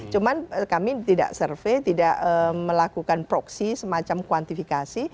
cuma kami tidak survei tidak melakukan proksi semacam kuantifikasi